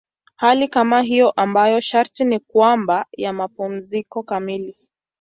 Hali kama hiyo ambayo sharti ni kwamba ya mapumziko kamili.